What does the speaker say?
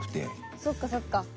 そっかそっか。